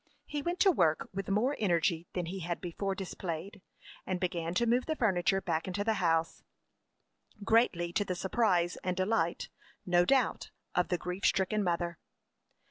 He went to work with more energy than he had before displayed, and began to move the furniture back into the house, greatly to the surprise and delight, no doubt, of the grief stricken mother.